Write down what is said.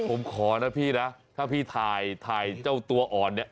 ผมขอนะพี่นะถ้าพี่ถ่ายถ่ายเจ้าตัวอ่อนเนี่ย